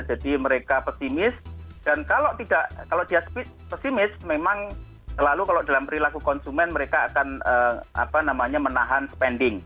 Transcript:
jadi mereka pesimis dan kalau tidak kalau dia pesimis memang selalu kalau dalam perilaku konsumen mereka akan menahan spending